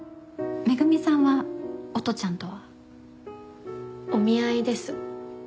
恵美さんは音ちゃんとは？お見合いです。